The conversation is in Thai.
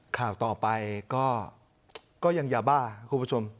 ข่าวต่อไปก็ยังยาบ้าครับคุณผู้ชม